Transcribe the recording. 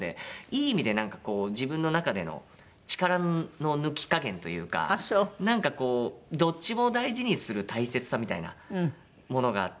いい意味でなんかこう自分の中での力の抜き加減というかなんかこうどっちも大事にする大切さみたいなものがあって。